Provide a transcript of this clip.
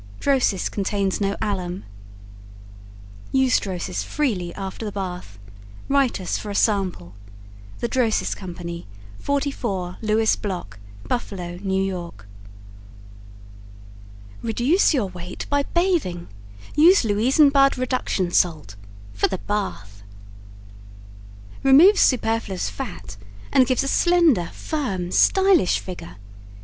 DROSIS CONTAINS NO ALUM Use Drosis freely after the bath. Write us for a sample THE DROSIS COMPANY, 44 Lewis Block, Buffalo, N. Y. Reduce Your Weight By Bathing Use Louisenbad Reduction Salt (for The Bath) Removes superfluous fat and gives a slender firm, stylish figure.